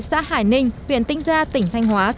xã hải ninh huyện tinh gia tỉnh thanh hóa